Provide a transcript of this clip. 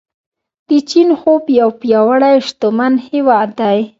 د چین خوب یو پیاوړی او شتمن هیواد دی.